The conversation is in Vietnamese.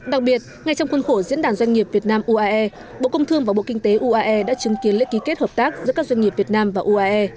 đặc biệt ngay trong khuôn khổ diễn đàn doanh nghiệp việt nam uae bộ công thương và bộ kinh tế uae đã chứng kiến lễ ký kết hợp tác giữa các doanh nghiệp việt nam và uae